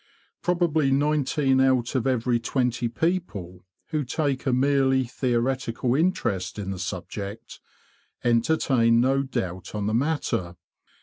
Probably nineteen out of every twenty people, who take a merely theoretical interest in the subject, entertain no doubt on the matter.